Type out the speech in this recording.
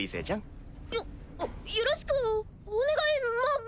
よろしくお願いまま。